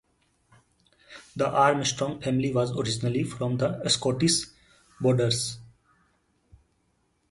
The Armstrong family was originally from the Scottish Borders.